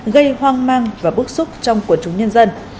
gây hoang mang và bức xúc trong quần chúng nhân dân